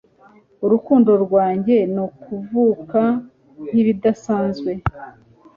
urukundo rwanjye ni kuvuka nkibidasanzwe